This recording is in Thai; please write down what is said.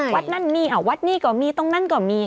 วัดนั่นนี่วัดนี้ก็มีตรงนั้นก็มี